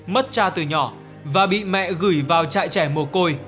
mất cha từ nhỏ và bị mẹ gửi vào trại trẻ mồ côi